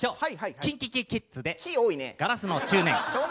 ＫｉｎＫｉＫｉｄｓで「硝子の少年」。